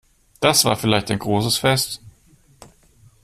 Das war vielleicht ein großes Fest.